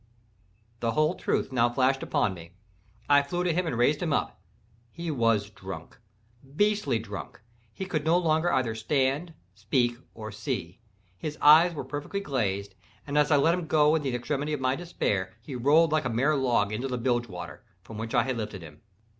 The whole truth now flashed upon me. I flew to him and raised him up. He was drunk—beastly drunk—he could no longer either stand, speak, or see. His eyes were perfectly glazed; and as I let him go in the extremity of my despair, he rolled like a mere log into the bilge water, from which I had lifted him.